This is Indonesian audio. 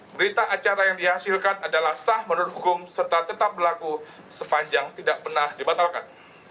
berita acara yang dihasilkan adalah sah menurut hukum serta tetap berlaku sepanjang tidak pernah dibatalkan